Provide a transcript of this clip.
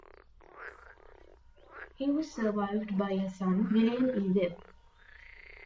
He was survived by a son, William E. Webb.